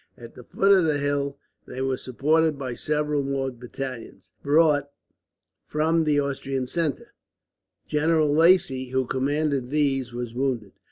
At the foot of the hill they were supported by several more battalions, brought from the Austrian centre. General Lacy, who commanded these, was wounded.